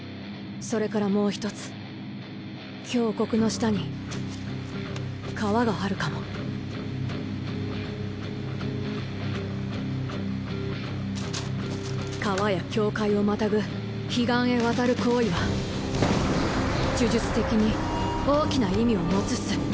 それからもう一つ峡谷の下に川があるかも川や境界をまたぐ彼岸へ渡る行為は呪術的に大きな意味を持つっす